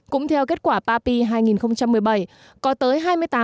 cũng theo kết quả papi hai nghìn một mươi bảy